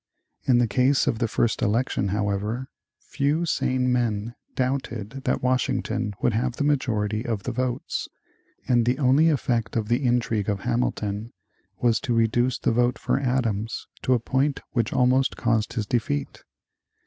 In the case of the first election, however, few sane men doubted that Washington would have the majority of the votes, and the only effect of the intrigue of Hamilton was to reduce the vote for Adams to a point which almost caused his defeat.